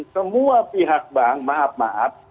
semua pihak bank maaf maaf